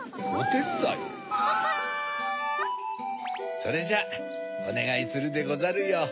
それじゃあおねがいするでござるよ。